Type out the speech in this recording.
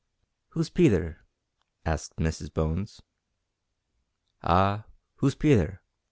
"Who's Peter?" asked Mrs Bones. "Ah, who's Peter?"